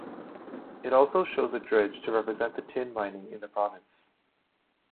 It also shows a dredge to represent the tin mining in the province.